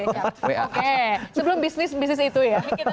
oke sebelum bisnis bisnis itu ya